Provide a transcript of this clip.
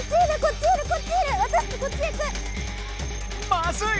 まずい！